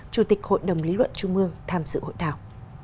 chủ tịch hội đồng lý luận trung mương tham dự hội thảo